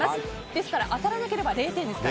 ですから当たらなければ０点です。